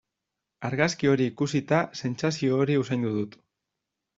Argazki hori ikusita sentsazio hori usaindu dut.